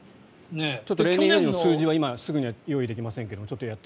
ちょっと数字はすぐには用意できませんが。